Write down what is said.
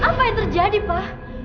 apa yang terjadi pak